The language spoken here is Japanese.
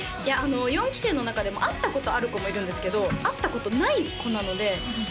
４期生の中でも会ったことある子もいるんですけど会ったことない子なのでそうだったんです